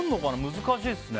難しいですね。